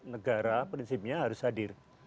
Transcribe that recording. negara prinsipnya harus hadir